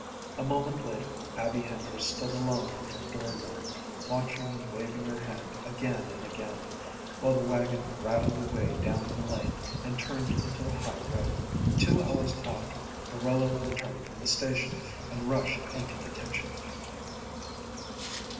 A moment later Abby Hender stood alone in her dooryard, watching and waving her hand again and again, while the wagon rattled away down the lane and turned into the high road. Two hours after Marilla returned from the station, and rushed into the kitchen.